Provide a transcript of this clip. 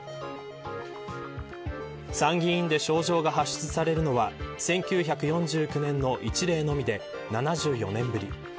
参議院で招状が発出されるのは１９４９年の一例のみで７４年ぶり。